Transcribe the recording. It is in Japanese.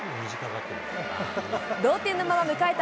同点のまま迎えた